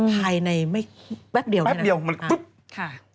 หายในแว็บเดียวนี่นะค่ะหายเลยค่ะเปลี่ยนแปลง